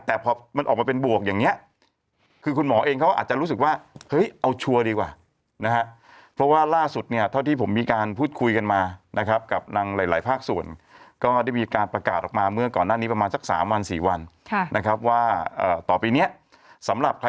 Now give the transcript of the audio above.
แต่พอมันออกมาเป็นบวกอย่างนี้คือคุณหมอเองเขาอาจจะรู้สึกว่าเฮ้ยเอาชัวร์ดีกว่านะครับ